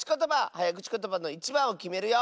はやくちことばのいちばんをきめるよ！